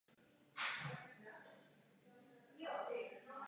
Zastával i funkci viceprezidenta dolnorakouské živnostenské jednoty.